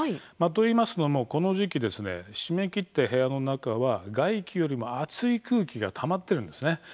といいますのも、この時期閉め切った部屋の中は外気よりも熱い空気がたまっているんですね。